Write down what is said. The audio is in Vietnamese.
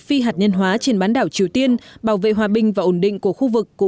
phi hạt nhân hóa trên bán đảo triều tiên bảo vệ hòa bình và ổn định của khu vực cũng